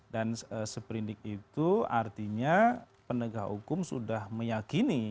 dan seperindik itu artinya pendegah hukum sudah meyakini